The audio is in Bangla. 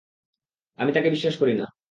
আমি তাকে বিশ্বাস করি না।